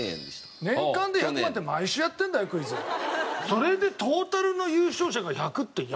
それでトータルの優勝者が１００って安すぎない？